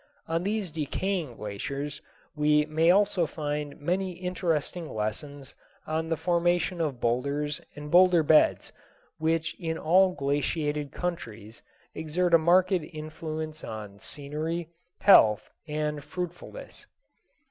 On these decaying glaciers we may also find many interesting lessons on the formation of boulders and boulder beds, which in all glaciated countries exert a marked influence on scenery, health, and fruitfulness.